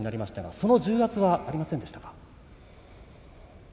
その重圧はありましたか？